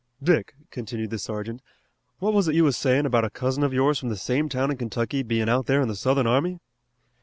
"Dick," continued the sergeant, "what was it you was sayin' about a cousin of yours from the same town in Kentucky bein' out there in the Southern army?"